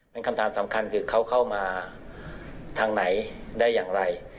เป็นคำถามสำคัญคือเขาเข้ามาทางไหนได้อย่างไร